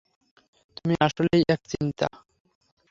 তুমি আসলেই এক চিজ!